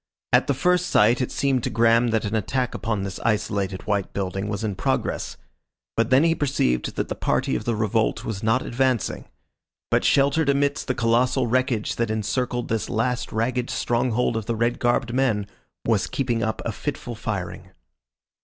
At the first sight it seemed to Graham that an attack upon this isolated white building was in progress, but then he perceived that the party of the revolt was not advancing, but sheltered amidst the colossal wreckage that encircled this last ragged stronghold of the red garbed men, was keeping up a fitful firing.